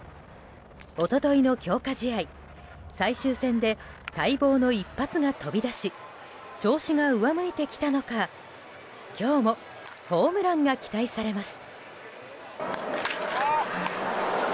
一昨日の強化試合、最終戦で待望の一発が飛び出し調子が上向いてきたのか、今日もホームランが期待されます。